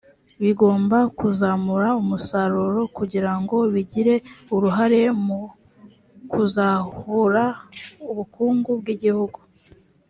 bigomba kuzamura umusaruro kugira ngo bigire uruhare mu kuzahura ubukungu bw’igihugu